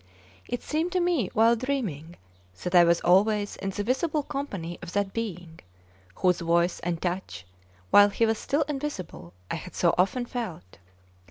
It seemed to me while dreaming that I was always in the visible company of that being whose voice and touch, while he was still invisible, I had so often felt.